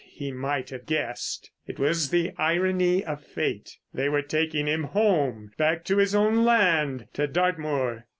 He might have guessed. It was the irony of fate. They were taking him home, back to his own land, to Dartmoor.